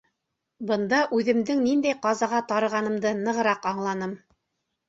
Бында үҙемдең ниндәй ҡазаға тарығанымды нығыраҡ аңланым.